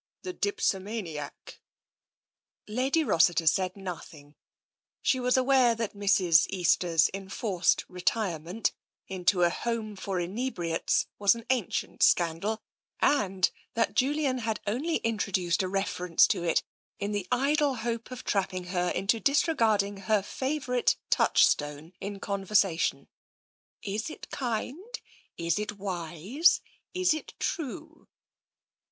The dipsomaniac? " Lady Rossiter said nothing. She was aware that Mrs. Easter's enforced retirement into a home for inebriates was an ancient scandal, and that Julian had only introduced a reference to it in the idle hope of trapping her into disregarding her favourite touch stone in conversation —" Is it kind, is it wise, is it true?"